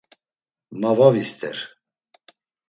Ma va vister.